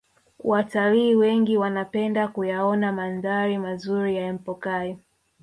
Watalii wengi wanapenda kuyaona mandhari mazuri ya empokai